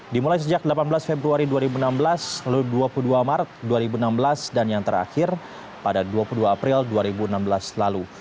dimulai sejak delapan belas februari dua ribu enam belas lalu dua puluh dua maret dua ribu enam belas dan yang terakhir pada dua puluh dua april dua ribu enam belas lalu